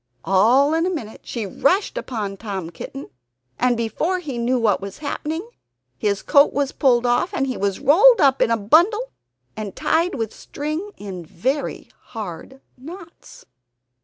All in a minute she rushed upon Tom Kitten, and before he knew what was happening. ..... his coat was pulled off, and he was rolled up in a bundle, and tied with string in very hard knots.